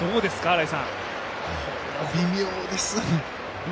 微妙ですね。